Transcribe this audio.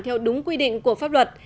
theo đúng quy định của pháp luật